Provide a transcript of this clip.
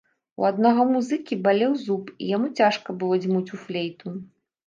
У аднаго музыкі балеў зуб, і яму цяжка было дзьмуць у флейту.